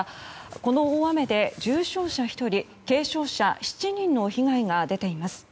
この大雨で重傷者１人軽傷者７人の被害が出ています。